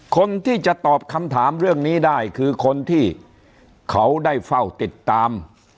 คนที่จะตอบคำถามเรื่องนี้ได้คือคนที่เขาได้เฝ้าติดตาม